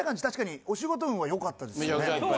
確かにお仕事運は良かったですね。